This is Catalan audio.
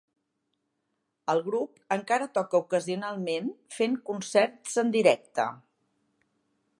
El grup encara toca ocasionalment fent concerts en directe.